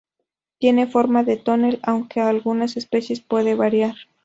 Tiene forma de tonel, aunque en algunas especies puede variar.